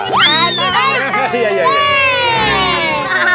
uangnya tak ada